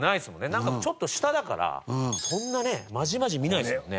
なんかちょっと下だからそんなねまじまじ見ないですもんね。